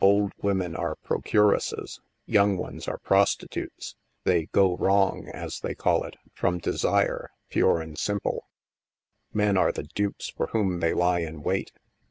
Old women are procuresses ; young ones are prostitutes ; they * go wrong ' as they call it, from desire, pure and simple ; men are the dupes for whom they lie in wait.